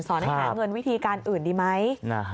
ให้หาเงินวิธีการอื่นดีไหม